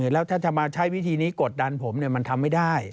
แล้วถ้าจะมาใช้วิธีนี้กดดันผมมันทำไม่ได้